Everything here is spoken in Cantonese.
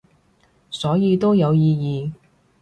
所以都有意義